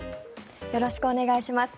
よろしくお願いします。